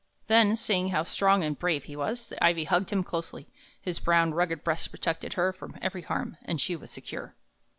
Then, seeing how strong and brave he was, the ivy hugged him closely; his brown, rugged breast protected her from every harm, and she was secure.